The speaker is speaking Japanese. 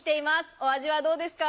お味はどうですか？